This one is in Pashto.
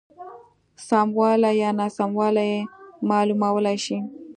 سموالی یا ناسموالی یې معلومولای شي.